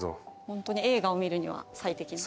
ホントに映画を見るには最適。